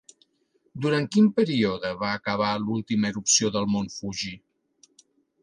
Durant quin període va acabar l'última erupció del mont Fuji?